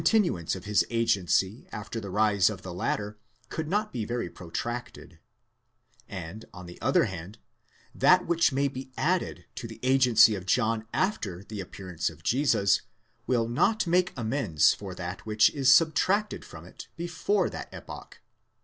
tinuance of his agency after the rise of the latter could not be very protracted (Luke ix. 9 ; Matt. xiv. 1 ff.; Mark xiv. 16); and on the other, that which: may be added to the agency of John after the appearance of Jesus, will not make amends for that which is subtracted from it before that epoch.